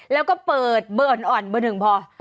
แล้วก็เปิดเบอร์อ่อนเบอร์หนึ่งพอ